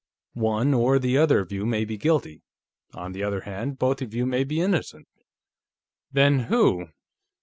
One or the other of you may be guilty; on the other hand, both of you may be innocent." "Then who...?"